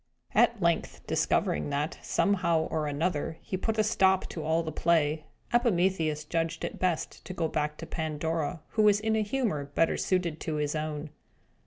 At length, discovering that, somehow or other, he put a stop to all the play, Epimetheus judged it best to go back to Pandora, who was in a humour better suited to his own.